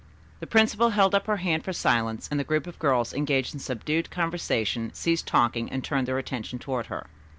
The principal held up her hand for silence and the groups of girls engaged in subdued conversation ceased talking and turned their attention toward her.